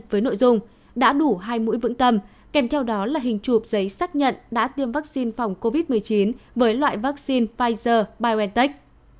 với nội dung đã đủ hai mũi vững tâm kèm theo đó là hình chụp giấy xác nhận đã tiêm vaccine phòng covid một mươi chín với loại vaccine pfizer biontech